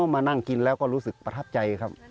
มานั่งกินแล้วก็รู้สึกประทับใจครับ